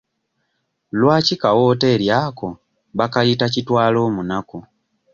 Lwaki ka wooteeri ako bakayita kitwaloomunaku?